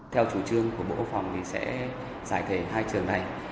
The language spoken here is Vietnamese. theo chủ trương của bộ quốc phòng thì sẽ giải thể hai trường này